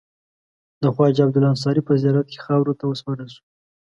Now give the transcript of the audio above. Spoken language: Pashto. د خواجه عبدالله انصاري په زیارت کې خاورو ته وسپارل شو.